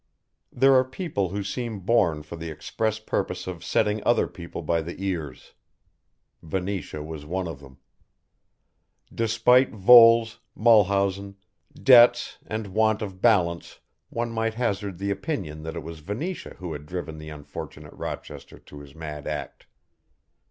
There are people who seem born for the express purpose of setting other people by the ears. Venetia was one of them. Despite Voles, Mulhausen, debts and want of balance one might hazard the opinion that it was Venetia who had driven the unfortunate Rochester to his mad act.